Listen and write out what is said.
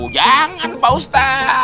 jangan pak ustadz